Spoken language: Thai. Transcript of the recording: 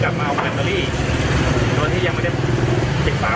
อ๋อถ้าพี่อยู่ที่หน้าฝั่งโลกรถนี้โดนแน่